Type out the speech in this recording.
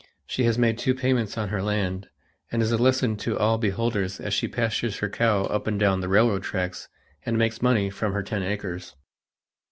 She has made two payments on her land and is a lesson to all beholders as she pastures her cow up and down the railroad tracks and makes money from her ten acres.